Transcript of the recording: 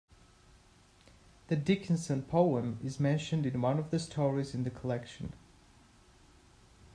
The Dickinson poem is mentioned in one of the stories in the collection.